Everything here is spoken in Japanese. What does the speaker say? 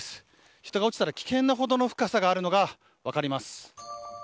人が落ちたら危険なほどの深さがあるのが分かります。